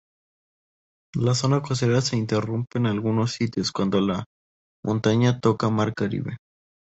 La zona costera se interrumpe en algunos sitios cuando la montaña toca Mar Caribe.